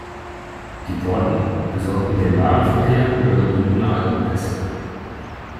Die Porten besorgten den Warenverkehr über die Bündner Alpenpässe.